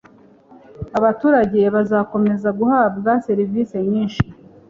abaturage bazakomeza guhabwa , servisi nyinshi